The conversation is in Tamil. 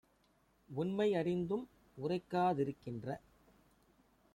உண்மை யறிந்தும் உரைக்கா திருக்கின்ற